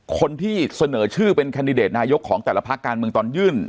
คนที่เสนอชื่อเป็นแคนดิเดตนายกของแต่ละภาคการเมืองตอนยื่น